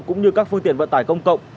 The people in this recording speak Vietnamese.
cũng như các phương tiện vận tải công cộng